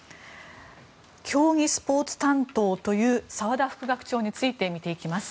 競技スポーツ担当という澤田副学長について見ていきます。